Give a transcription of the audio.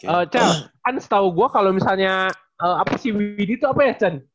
eh cal kan setau gue kalau misalnya apa si widi itu apa ya cen